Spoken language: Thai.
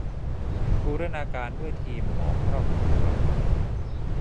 บูรณาการด้วยทีมหมอครอบครัว